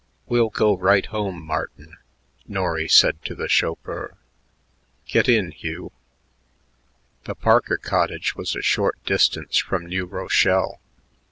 "We'll go right home, Martin," Norry said to the chauffeur. "Get in, Hugh." The Parker cottage was a short distance from New Rochelle.